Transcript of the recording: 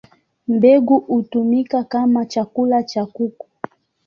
Mbegu hutumika kama chakula cha kuku.